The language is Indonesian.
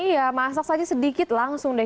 iya masak saja sedikit langsung deh